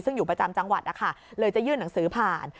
ซึ่งอยู่ประจำจังหวัดนะคะเลยจะยื่นหนังสือผ่าน